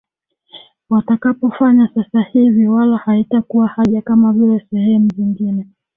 watakapofanya sasa hivi wala haitakuwa haja kama vile sehemu zingine